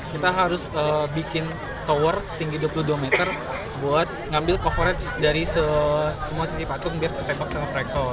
kita harus bikin tower setinggi dua puluh dua meter buat ngambil coverage dari semua sisi patung biar tertembak sama proyektor